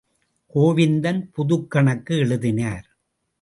கோவிந்தன் புதுக்கணக்கு எழுதினார்.